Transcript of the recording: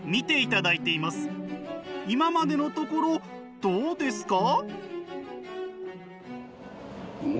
今までのところどうですか？